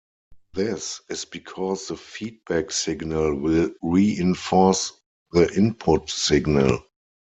This is because the feedback signal will reinforce the input signal.